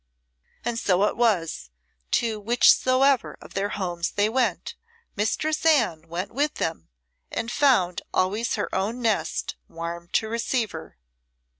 And so it was, to whichsoever of their homes they went, Mistress Anne went with them and found always her own nest warm to receive her.